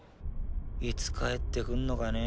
いつ帰って来んのかね